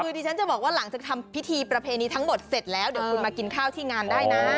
คือดิฉันจะบอกว่าหลังจากทำพิธีประเพณีทั้งหมดเสร็จแล้วเดี๋ยวคุณมากินข้าวที่งานได้นะ